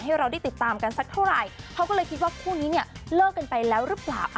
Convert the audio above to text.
ให้เราได้ติดตามกันสักเท่าไหร่เขาก็เลยคิดว่าคู่นี้เนี่ยเลิกกันไปแล้วหรือเปล่า